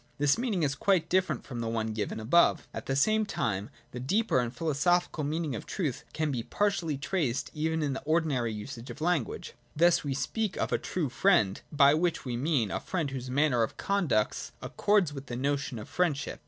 This meaning is quite different from the one given above. At the same time the deeper and philosophical meaning of truth can be partially traced even in the ordinary usage of language. Thus we speak of a true friend ; by which we mean a friend whose manner of conduct accords with the notion of friendship.